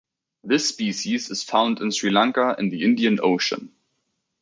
This species is found in Sri Lanka, in the Indian Ocean.